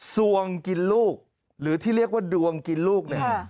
สวงกินลูกหรือที่เรียกว่าดวงกินลูกเนี่ย